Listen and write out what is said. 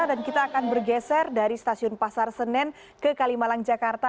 dan kita akan bergeser dari stasiun pasar senen ke kalimalang jakarta